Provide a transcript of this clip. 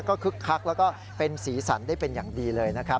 ก็คึกคักแล้วก็เป็นสีสันได้เป็นอย่างดีเลยนะครับ